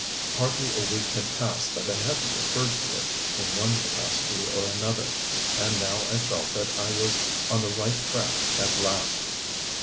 Hardly a week had passed that I hadn't referred to it, in one capacity or another. And now I felt that I was on the right track at last.